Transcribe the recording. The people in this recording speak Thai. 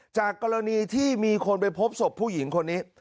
จากกรณีที่มีคนไปพบศพผู้หญิงคนนี้